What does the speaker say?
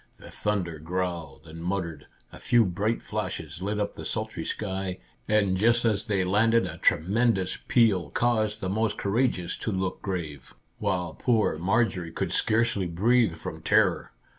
The thunder growled and muttered, a few bright flashes lit up the sultry sky, and just as they landed a tremendous peal caused the most courageous to look grave, while poor Marjorie could scarcely breathe from terror.